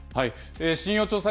信用調査